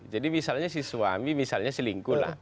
jadi misalnya si suami selingkuh lah